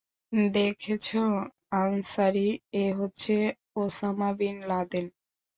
দেখেছ আনসারী, এ হচ্ছে ওসামা বিন লাদেন।